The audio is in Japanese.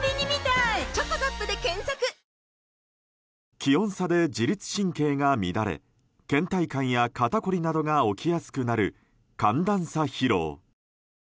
気温差で自律神経が乱れ倦怠感や肩こりなどが起きやすくなる、寒暖差疲労。